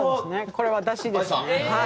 これ私ですね。